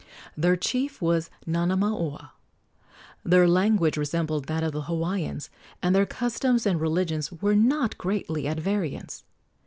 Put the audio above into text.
Their chief was Nanamaoa. Their language resembled that of the Hawaiians, and their customs and religions were not greatly at variance.